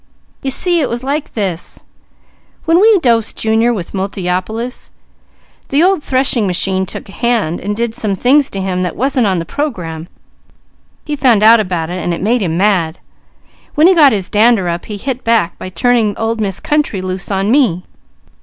"You see it was like this: when we dosed Junior with Multiopolis, the old threshing machine took a hand and did some things to him that wasn't on the program; he found out about it, and it made him mad. When he got his dander up he hit back by turning old Miss Country loose on me.